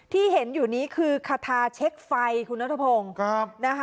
ที่เห็นอยู่นี้คือคาทาเช็กไฟคุณน้ำทะพงนะฮะ